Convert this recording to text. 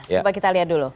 coba kita lihat dulu